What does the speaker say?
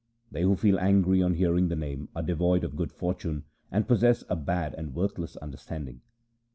They who feel angry on hearing the Name are devoid of good fortune and possess a bad and worthless understanding.